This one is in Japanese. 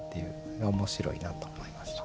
面白いなと思いました。